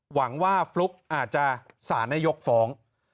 หวังว่าฟลุ๊กอาจจะสารนายกฟ้อง